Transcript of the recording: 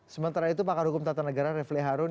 sementara itu pakar hukum tata negara refli harun